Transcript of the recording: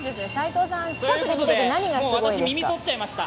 もう私、耳とっちゃいました。